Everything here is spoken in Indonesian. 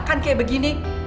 kan kayak begini